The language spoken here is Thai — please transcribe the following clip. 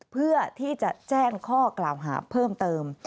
เพื่อที่จะแจ้งข้อกล่าวหาเพิ่มเติม